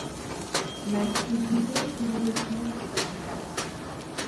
ম্যাচটি জিতে সিরিজে সমতা ফেরায় ভারত।